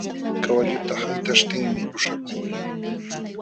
Kawalluta haytaśhtinmi puśhakun.